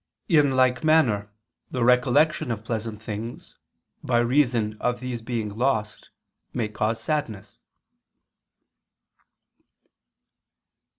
In like manner the recollection of pleasant things, by reason of these being lost, may cause sadness.